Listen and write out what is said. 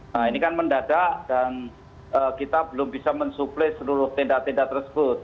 nah ini kan mendadak dan kita belum bisa mensuplai seluruh tenda tenda tersebut